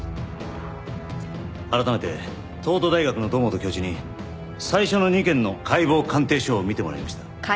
改めて東都大学の堂本教授に最初の２件の解剖鑑定書を見てもらいました。